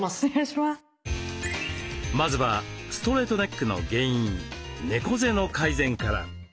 まずはストレートネックの原因猫背の改善から。